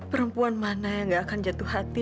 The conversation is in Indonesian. perempuan mana yang gak akan jatuh hati